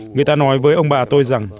người ta nói với ông bà tôi rằng